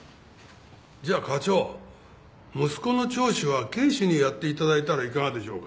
じゃあ課長息子の聴取は警視にやって頂いたらいかがでしょうか。